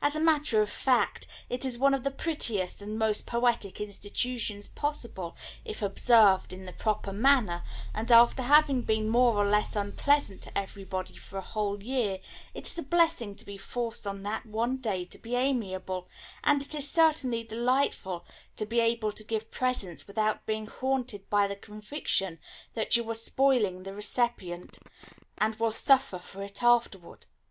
As a matter of fact, it is one of the prettiest and most poetic institutions possible, if observed in the proper manner, and after having been more or less unpleasant to everybody for a whole year, it is a blessing to be forced on that one day to be amiable, and it is certainly delightful to be able to give presents without being haunted by the conviction that you are spoiling the recipient, and will suffer for it afterward.